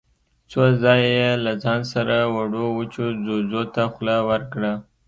څو ځايه يې له ځان سره وړو وچو ځوځو ته خوله ورکړه.